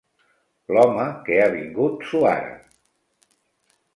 L'home que ha vingut suara.